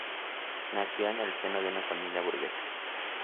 Nació en el seno de una familia burguesa.